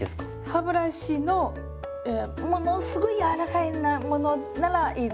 歯ブラシのものすごい軟らかいものならいいです。